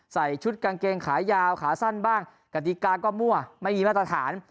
ใส่ชุดกางเกงขายาวขาสั้นบ้างกติกาก็มั่วไม่มีมาตรฐาน